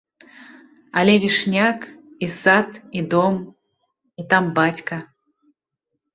Але вішняк, і сад, і дом, і там бацька.